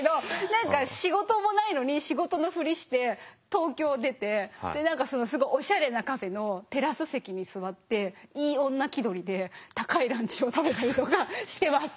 何か仕事もないのに仕事のふりして東京出て何かすごいおしゃれなカフェのテラス席に座っていい女気取りで高いランチを食べたりとかしてます。